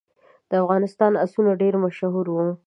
د افغانستان آسونه ډیر مشهور وو